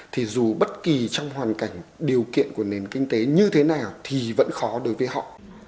thì dù bất kỳ trong hoàn cảnh điều kiện của nền kinh tế như thế nào thì vẫn khó đối với họ